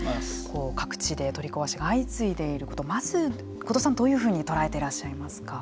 各地で取り壊しが相次いでいることまず、後藤さんはどういうふうに捉えていらっしゃいますか。